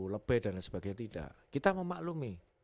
lebih dan sebagainya tidak kita memaklumi